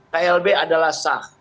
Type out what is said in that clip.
klb adalah sah